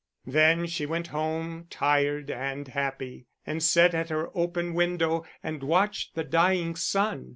Then she went home, tired and happy, and sat at her open window and watched the dying sun.